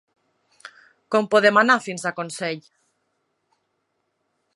Com podem anar fins a Consell?